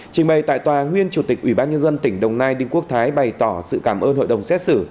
trình bày tại tòa nguyên chủ tịch ủy ban nhân dân tỉnh đồng nai đinh quốc thái bày tỏ sự cảm ơn hội đồng xét xử